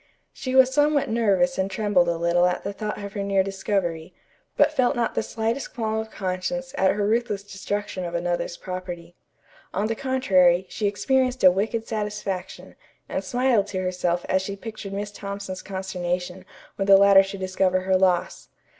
She was somewhat nervous and trembled a little at the thought of her near discovery, but felt not the slightest qualm of conscience at her ruthless destruction of another's property. On the contrary, she experienced a wicked satisfaction, and smiled to herself as she pictured Miss Thompson's consternation when the latter should discover her loss.